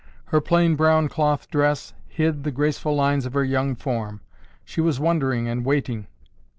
Her plain brown cloth dress hid the graceful lines of her young form. She was wondering and waiting.